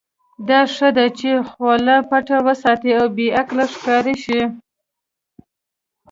دا ښه ده چې خوله پټه وساتې او بې عقل ښکاره شې.